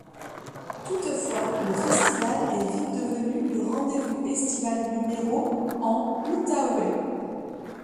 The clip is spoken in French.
Toutefois, le festival est vite devenu le rendez-vous estival numéro en Outaouais.